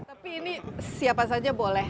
tapi ini siapa saja boleh